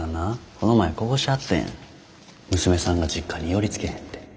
この前こぼしてはったんや娘さんが実家に寄りつけへんて。